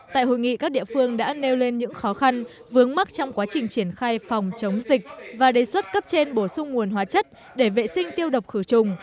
tại hội nghị các địa phương đã nêu lên những khó khăn vướng mắc trong quá trình triển khai phòng chống dịch và đề xuất cấp trên bổ sung nguồn hóa chất để vệ sinh tiêu độc khử trùng